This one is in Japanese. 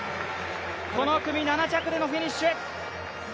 この組７着でのフィニッシュ。